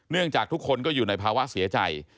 จากทุกคนก็อยู่ในภาวะเสียใจ